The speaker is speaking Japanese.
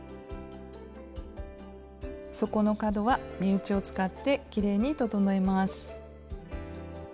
底の角は目打ちを使ってきれいに整えます。